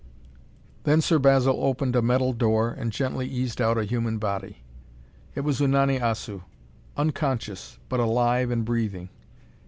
Then Sir Basil opened a metal door and gently eased out a human body. It was Unani Assu, unconscious but alive and breathing.